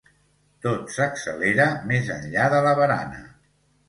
Tot s'accelera més enllà de la barana.